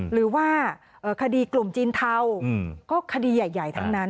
หรือว่าคดีกลุ่มจีนเทาก็คดีใหญ่ทั้งนั้น